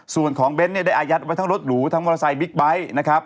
ส่วนของเบ้นได้อายัดไว้ทั้งรถหรูทั้งกรสัยบิ๊กไบท์นะครับ